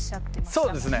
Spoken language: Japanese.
そうですね。